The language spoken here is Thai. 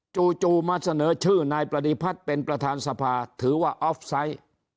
จู่มาเสนอชื่อนายปฏิพัฒน์เป็นประธานสภาถือว่าออฟไซต์